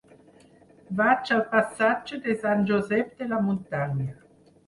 Vaig al passatge de Sant Josep de la Muntanya.